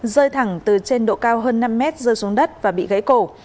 rơi thẳng từ trên độ cao hơn năm mét rơi xuống đất và bị gãy cổ